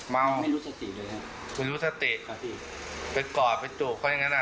แล้วทำไมไปกอดไปนี่เขาว่ะ